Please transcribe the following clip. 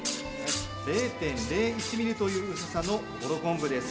０．０１ｍｍという薄さのこの昆布。